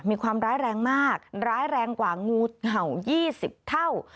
มีความร้ายแรงมากร้ายแรงกว่างูเห่า๒๐เท่า